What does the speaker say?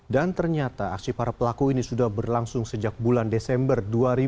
dan ternyata aksi para pelaku ini sudah berlangsung sejak bulan desember dua ribu dua puluh